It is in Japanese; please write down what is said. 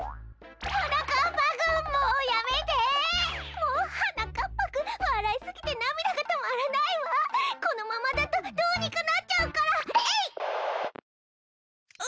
もうはなかっぱくんわらいすぎてなみだがとまらないわこのままだとどうにかなっちゃうからえいっ！